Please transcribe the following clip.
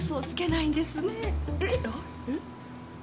えっ？